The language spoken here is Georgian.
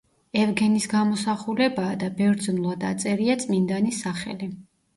ევგენის გამოსახულებაა და ბერძნულად აწერია წმინდანის სახელი.